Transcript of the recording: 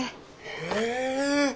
へえ！